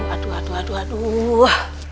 aduh aduh aduh aduh